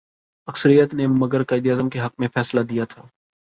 اکثریت نے مگر قائد اعظم کے حق میں فیصلہ دیا تھا۔